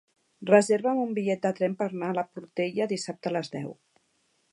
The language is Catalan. Reserva'm un bitllet de tren per anar a la Portella dissabte a les deu.